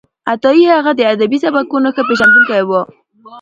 عطايي هغه د ادبي سبکونو ښه پېژندونکی و.